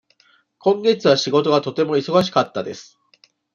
今月は仕事がとても忙しかったです。